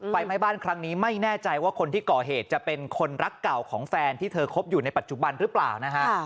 ไฟไหม้บ้านครั้งนี้ไม่แน่ใจว่าคนที่ก่อเหตุจะเป็นคนรักเก่าของแฟนที่เธอคบอยู่ในปัจจุบันหรือเปล่านะฮะ